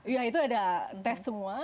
iya itu ada tes semua